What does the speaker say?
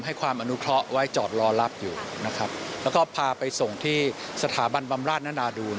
ความอนุเคราะห์ไว้จอดรอรับอยู่นะครับแล้วก็พาไปส่งที่สถาบันบำราชนานาดูล